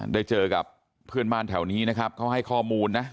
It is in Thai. ได้เจอกับเพื่อนบ้านแถวนี้นะครับเขาให้ข้อมูลนะ